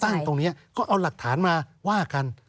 ตรงนี้ก็เอาหลักฐานมาว่ากัน